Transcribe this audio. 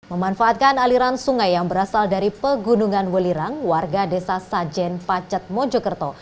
memanfaatkan aliran sungai yang berasal dari pegunungan welirang warga desa sajen pacat mojokerto